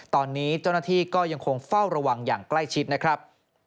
ตอนนี้เจ้าหน้าที่ก็ยังคงเฝ้าระวังอย่างใกล้ชิดนะครับ